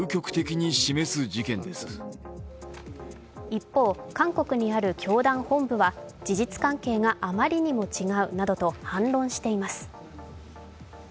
一方、韓国にある教団本部は事実関係があまりにも違うなどと反論しています。